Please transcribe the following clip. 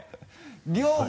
両方！